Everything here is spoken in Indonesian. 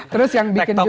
terus yang bikin juga